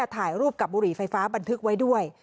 ถ่ายรูปกับบุหรี่ไฟฟ้าบันทึกไว้ด้วย